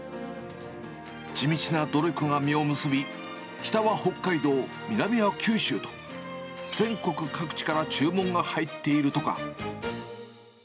地道な努力が実を結び、北は北海道、南は九州と、全国各地から注文が入っているとか。